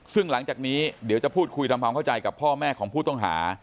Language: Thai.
ซึ่งหลังจากนี้เดี๋ยวจะพูดคุยทำความเข้าใจกับพ่อแม่ของผู้ต้องหา